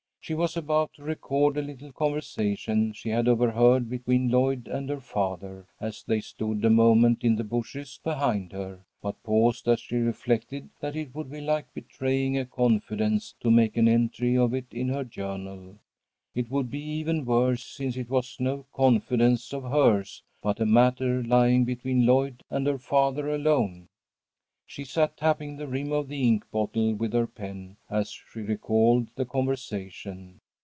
She was about to record a little conversation she had overheard between Lloyd and her father as they stood a moment in the bushes behind her, but paused as she reflected that it would be like betraying a confidence to make an entry of it in her journal. It would be even worse, since it was no confidence of hers, but a matter lying between Lloyd and her father alone. She sat tapping the rim of the ink bottle with her pen as she recalled the conversation.